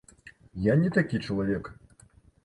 Я не такі чалавек.